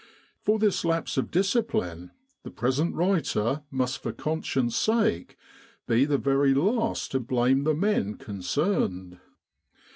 For this lapse of discipline the present writer must for conscience' sake be the very last to blame the men concerned.